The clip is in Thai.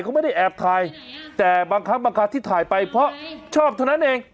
เขาไม่ได้แอบถ่ายแต่บังคับบังคับที่ถ่ายไปเพราะชอบเท่านั้นเอง